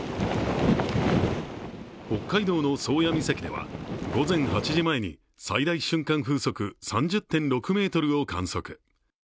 北海道の宗谷岬では午前８時前に最大瞬間風速３０．６メートルを観測。